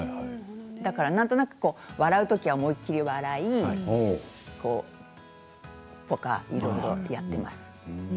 なんとなく笑うときは思い切り笑いいろいろやっています。